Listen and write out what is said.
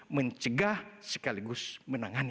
mencegah sekaligus menangani